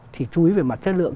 thì chú ý về mặt chất lượng